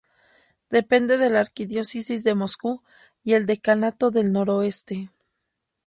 Depende de la Arquidiócesis de Moscú y el decanato del noroeste.